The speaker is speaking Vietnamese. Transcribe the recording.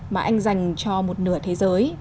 mà anh dành cho một nửa thế giới